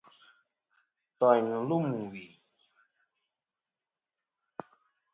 Ntòyn nɨ̀n lûm wì.